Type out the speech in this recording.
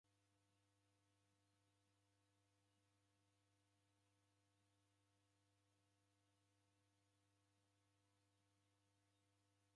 W'abw'aghw'a ni njala